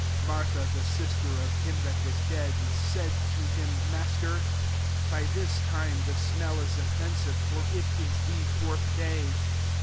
Martha, the sister of him that was dead, said to him, " Master, by this time the smell is offensive : for it is the fourth day.'